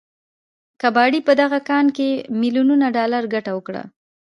کباړي په دغه کان کې ميليونونه ډالر ګټه وكړه.